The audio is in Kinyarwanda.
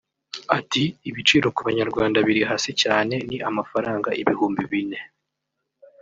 Ati "Ibiciro ku banyarwanda biri hasi cyane ni amafaranga ibihumbi bine